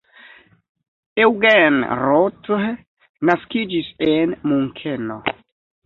Eugen Roth naskiĝis en Munkeno.